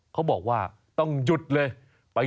เขาบอกว่าต้องหยุดเลย